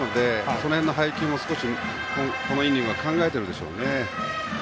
その辺の配球も、このイニングは考えているでしょうね。